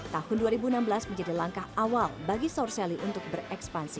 tahun dua ribu enam belas menjadi langkah awal bagi saurseli untuk berekspansi